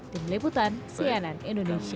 tim liputan sianan indonesia